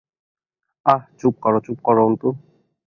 আঃ চুপ করো, চুপ করো অন্তু।